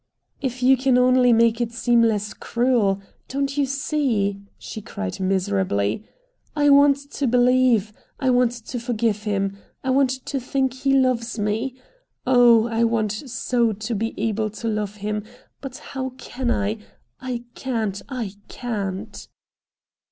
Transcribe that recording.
"If you can only make it seem less cruel. Don't you see," she cried miserably, "I want to believe; I want to forgive him. I want to think he loves me. Oh! I want so to be able to love him; but how can I? I can't! I can't!"